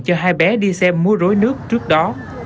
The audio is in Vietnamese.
cho hai bé đi xem múa rối nước trước đó